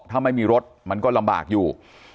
ถ้าไม่มีรถมันก็ลำบากอยู่